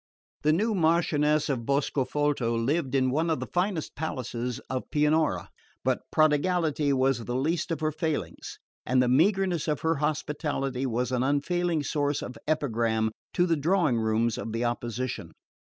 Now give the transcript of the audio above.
The new Marchioness of Boscofolto lived in one of the finest palaces of Pianura, but prodigality was the least of her failings, and the meagreness of her hospitality was an unfailing source of epigram to the drawing rooms of the opposition.